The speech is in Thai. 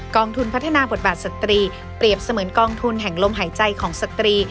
องทุนพัฒนาบทบาทสตรีเปรียบเสมือนกองทุนแห่งลมหายใจของสตรี